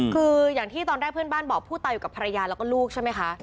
คืออย่างที่ตอนแรกเพื่อนบ้านบอกผู้ตายอยู่กับภรรยาแล้วก็ลูกใช่ไหมคะ